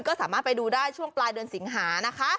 ก็สามารถไปดูได้ช่วงปลายเดือนสิงหานะคะ